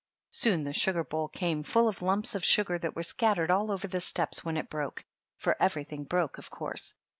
Soon the sugar bowl came, full of lumps of sugar that were scattered all over the steps when it broke, for everything broke, of course.